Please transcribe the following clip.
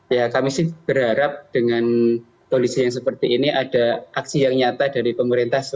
ya kami sih berharap dengan kondisi yang seperti ini ada aksi yang nyata dari pemerintah